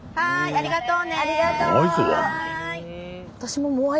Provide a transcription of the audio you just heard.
ありがとう。